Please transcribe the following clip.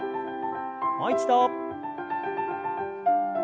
もう一度。